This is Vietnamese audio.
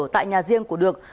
tại nhà riêng của được